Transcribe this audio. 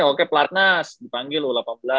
oke pelatnas dipanggil u delapan belas